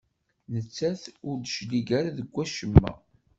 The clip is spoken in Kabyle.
Nettat ur d-teclig deg wacemma.